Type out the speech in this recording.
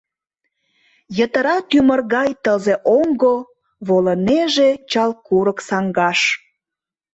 Йытыра тӱмыр гай тылзе-оҥго Волынеже чал курык саҥгаш.